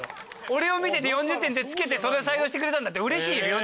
俺を見てて４０点って付けてそれを採用してくれたんだったらうれしいよ